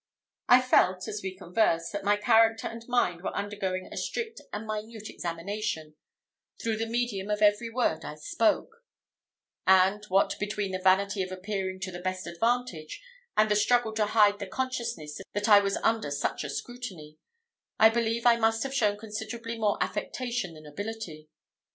I felt, as we conversed, that my character and mind were undergoing a strict and minute examination, through the medium of every word I spoke; and, what between the vanity of appearing to the best advantage, and the struggle to hide the consciousness that I was under such a scrutiny, I believe that I must have shown considerably more affectation than ability.